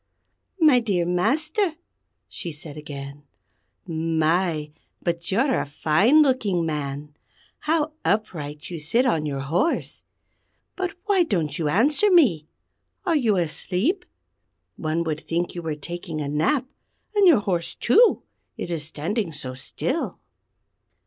"My dear Master," she said again, "My! but you're a fine looking man! How upright you sit on your horse! But why don't you answer me? Are you asleep? One would think you were taking a nap; and your horse, too, it is standing so still!"